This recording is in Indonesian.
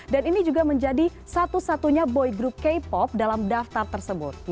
dan ini juga menjadi satu satunya boy group k pop dalam daftar tersebut